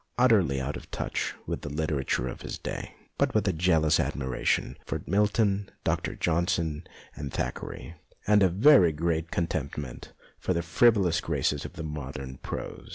Utterly out of touch with the literature of his day, but with a jealous admiration for Milton, Dr. John son, and Thackeray, and a very great con tempt for the frivolous graces of modern prose.